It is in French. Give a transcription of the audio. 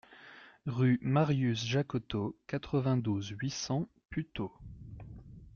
Rue Marius Jacotot, quatre-vingt-douze, huit cents Puteaux